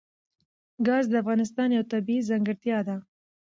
ګاز د افغانستان یوه طبیعي ځانګړتیا ده.